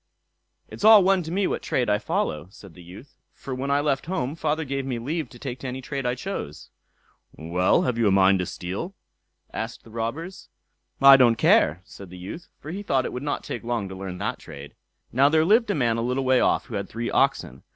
"It's all one to me what trade I follow", said the youth; "for when I left home, father gave me leave to take to any trade I chose." "Well, have you a mind to steal?" asked the robbers. "I don't care", said the youth, for he thought it would not take long to learn that trade. Now there lived a man a little way off who had three oxen.